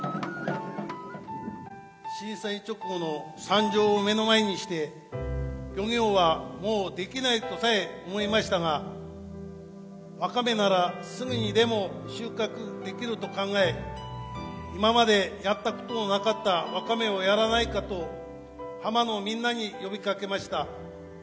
震災直後の惨状を目の前にして漁業はもうできないとさえ思いましたがワカメならすぐにでも収穫できると考え今までやったことのなかったワカメをやらないかと浜のみんなに呼びかけました。